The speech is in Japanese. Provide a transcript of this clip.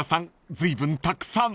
ずいぶんたくさん］